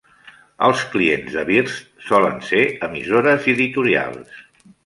Els clients de Vizrt solen ser emissores i editorials.